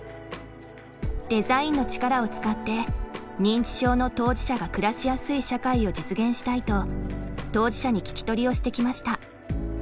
デザインの力を使って認知症の当事者が暮らしやすい社会を実現したいと当事者に聞き取りをしてきました。